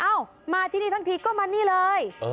มาที่นี่ทั้งทีก็มานี่เลย